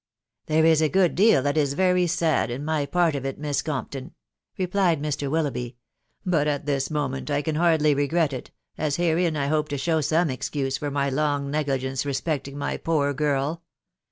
N l< There is a good deal that is very sad in my part of it, Miss Compton," replied Mr. Willoughby ; "but at this mo ment I can hardly regret it, as herein J hope to show some excuse for my long negligence respecting my poor girl.